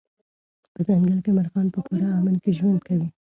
په ځنګل کې مرغان په پوره امن کې ژوند کوي.